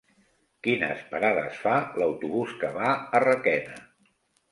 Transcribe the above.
Quines parades fa l'autobús que va a Requena?